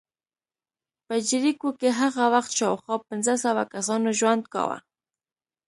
په جریکو کې هغه وخت شاوخوا پنځه سوه کسانو ژوند کاوه